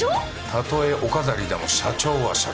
たとえお飾りでも社長は社長